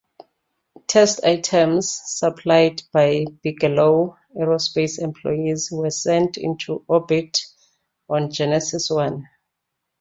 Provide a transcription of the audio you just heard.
Test items, supplied by Bigelow Aerospace employees, were sent into orbit on Genesis One.